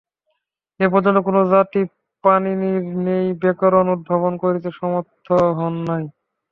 এ পর্যন্ত কোন জাতি পাণিনির ন্যায় ব্যাকরণ উদ্ভাবন করিতে সমর্থ হন নাই।